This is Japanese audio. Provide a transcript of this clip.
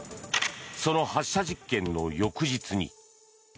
その発射実験の翌日に。